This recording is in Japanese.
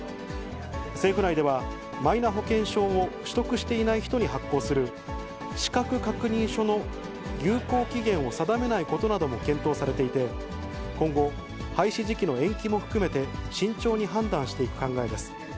政府内では、マイナ保険証を取得していない人に発行する、資格確認書の有効期限を定めないことなども検討されていて、今後、廃止時期の延期も含めて、慎重に判断していく考えです。